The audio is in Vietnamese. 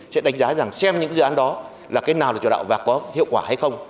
sẽ đánh giá rằng xem những dự án đó là cái nào là chủ đạo và có hiệu quả hay không